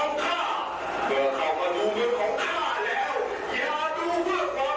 เมื่อเข้ามาดูเรื่องของข้าแล้วอย่าดูเรื่องของสนุกสนาน